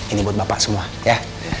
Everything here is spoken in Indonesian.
ini buat bapak semua ya